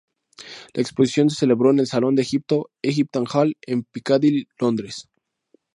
La exposición se celebró en el Salón de Egipto "Egyptian Hall", en Piccadilly, Londres.